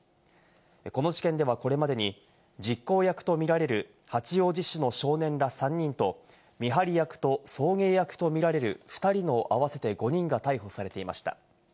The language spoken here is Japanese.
この事件では、これまでに実行役とみられる八王子市の少年ら３人と、見張り役と送迎役とみられる２人の合わせて５人が逮捕されていました。